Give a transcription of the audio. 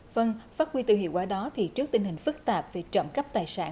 vâng phát huy từ hiệu quả đó thì trước tình hình phức tạp về trộm cắp tài sản